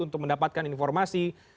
untuk mendapatkan informasi